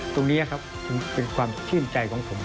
ตรงนี้ครับเป็นความชื่นใจของผม